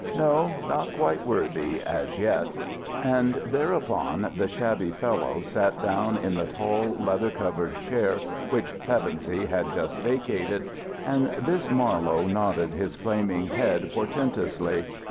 No, not quite worthy, as yet!" And thereupon the shabby fellow sat down in the tall leather covered chair which Pevensey had just vacated: and this Marlowe nodded his flaming head portentously.